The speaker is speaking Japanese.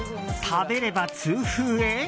食べれば痛風へ？